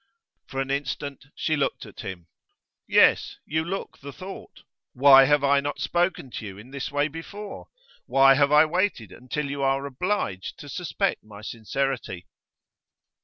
For an instant she looked at him. 'Yes, you look the thought. Why have I not spoken to you in this way before? Why have I waited until you are obliged to suspect my sincerity?